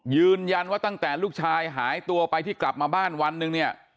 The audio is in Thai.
ยืนยันว่าตั้งแต่ลูกชายหายตัวไปที่กลับมาบ้านวันหนึ่งเนี่ย